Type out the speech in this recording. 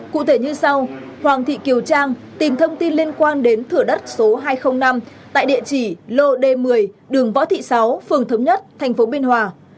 cụ thể như sau hoàng thị kiều trang tìm thông tin liên quan đến thửa đất số hai trăm linh năm tại địa chỉ lô d một mươi đường võ thị sáu phường thống nhất tp biên hòa